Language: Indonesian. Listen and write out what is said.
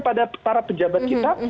pada para pejabat kita